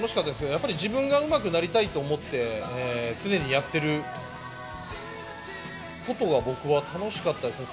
やっぱり自分がうまくなりたいと思って、常にやってることが、僕は楽しかったですね。